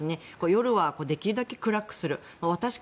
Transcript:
夜はできるだけ暗くする。